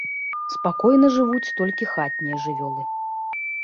Спакойна жывуць толькі хатнія жывёлы.